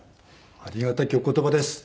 ありがたきお言葉です。